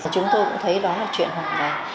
chúng tôi cũng thấy đó là chuyện hỏng đài